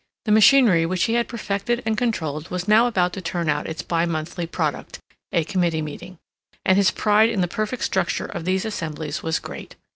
The machinery which he had perfected and controlled was now about to turn out its bi monthly product, a committee meeting; and his pride in the perfect structure of these assemblies was great.